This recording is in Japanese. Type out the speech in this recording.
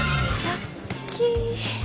ラッキー！